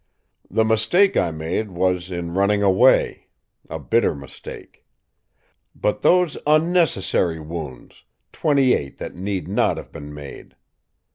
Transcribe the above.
"The mistake I made was in running away a bitter mistake! But those unnecessary wounds, twenty eight that need not have been made!